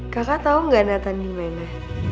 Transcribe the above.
kakak tau gak nathan dimana